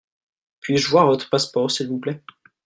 Puis-je voir votre passeport s'il vous plait ?